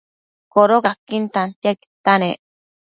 Codocaquin tantiaquidta nec